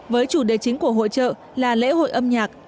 với chủ đề chính của hội trợ là lễ hội âm nhạc